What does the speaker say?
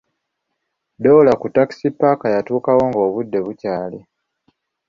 Doola ku takisi paaka yatuukawo ng'obudde bukyali.